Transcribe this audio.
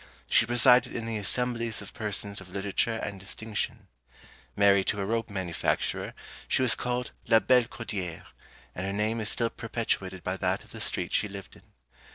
She presided in the assemblies of persons of literature and distinction. Married to a rope manufacturer, she was called La belle Cordière, and her name is still perpetuated by that of the street she lived in.